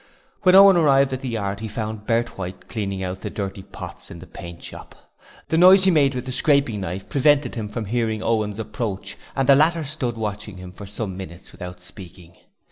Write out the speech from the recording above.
When Owen arrived at the yard he found Bert White cleaning out the dirty pots in the paint shop. The noise he made with the scraping knife prevented him from hearing Owen's approach and the latter stood watching him for some minutes without speaking.